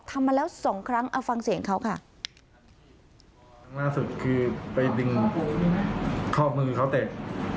มาแล้วสองครั้งเอาฟังเสียงเขาค่ะครั้งล่าสุดคือไปดึงข้อมือเขาเตะ